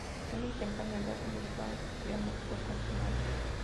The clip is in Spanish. Desde una temprana edad, comenzó a estudiar música con su madre.